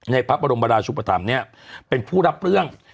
ในพระบรมราชุปธรรมเนี่ยเป็นผู้รับเรื่อง